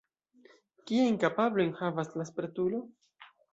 Kiajn kapablojn havas la spertulo?